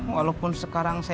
walaupun sekarang saya nggak rela